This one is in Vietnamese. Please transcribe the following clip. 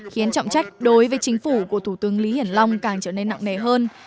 khiến trọng trách đối với chính phủ của thủ tướng lý hiển long càng trở nên nặng nề hơn